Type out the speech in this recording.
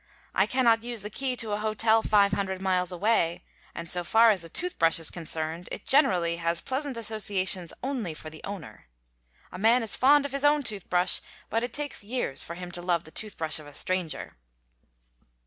I cannot use the key to a hotel 500 miles away, and so far as a tooth brush is concerned, it generally has pleasant associations only for the owner. A man is fond of his own toothbrush, but it takes years for him to love the tooth brush of a stranger.